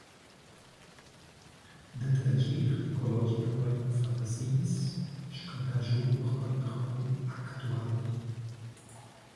Dad agir ecologicamein fa basegns, scaldar schuber ei perquei actual.